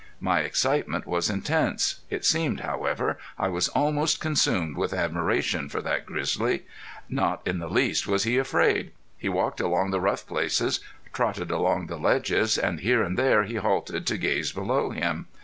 My excitement was intense. It seemed, however, I was most consumed with admiration for that grizzly. Not in the least was he afraid. He walked along the rough places, trotted along the ledges, and here and there he halted to gaze below him.